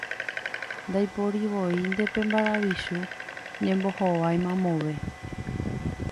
Ndaiporivoínte pe maravichu ñembohovái mamove.